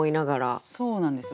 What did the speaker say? そうなんですよ。